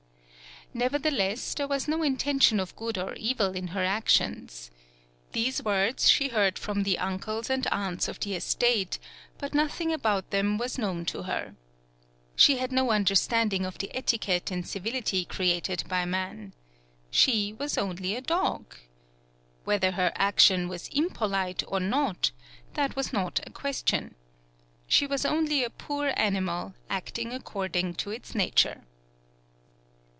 Nevertheless, there was no intention of good or evil in her actions. These words she heard from the uncles and aunts of the estate, but nothing about them was known to her. She had no understanding of the etiquette and civil ity created by man. She was only a dog. Whether her action was impolite or not, that was not a question. She 124 A DOMESTIC ANIMAL was only a poor animal, acting accord ing to its nature.